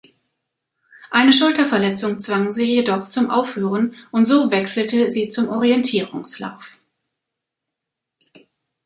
Eine Schulterverletzung zwang sie jedoch zum Aufhören und so wechselte sie zum Orientierungslauf.